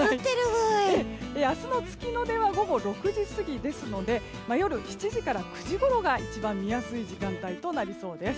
明日の月の出は午後６時過ぎなので夜６時から９時過ぎが一番見やすい時間帯となりそうです。